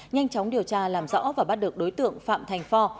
nhanh chóng điều tra làm rõ và bắt được đối tượng phạm thành phò